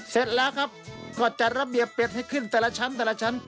เสร็จแล้วครับก็จัดระเบียบเป็ดให้ขึ้นแต่ละชั้นแต่ละชั้น